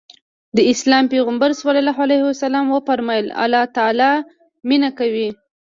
د اسلام پيغمبر ص وفرمايل الله تعالی مينه کوي.